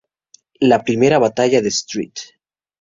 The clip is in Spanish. La Primera Batalla de St.